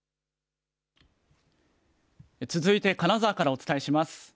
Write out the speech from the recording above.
続いて金沢からお伝えします。